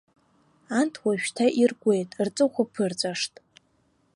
Анҭ уажәшьҭа иркуеит, рҵыхәа ԥырҵәашт.